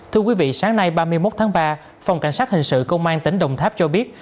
thưa quý vị sáng nay ba mươi một tháng ba phòng cảnh sát hình sự công an tỉnh đồng tháp cho biết